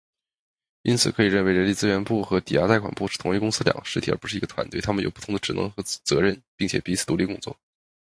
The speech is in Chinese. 因此，可以认为人力资源部和抵押贷款部是同一公司的两个实体，而不是一个团队。它们有不同的职能和责任，并且彼此独立工作。